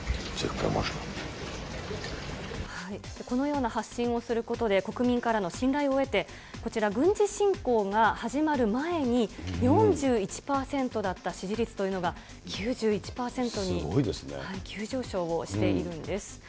このような発信をすることで、国民からの信頼を得て、こちら、軍事侵攻が始まる前に、４１％だった支持率というのが、９１％に急上昇をしているんです。